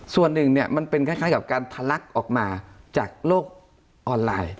ส่วนหนึ่งเนี่ยมันเป็นคล้ายกับการทะลักออกมาจากโลกออนไลน์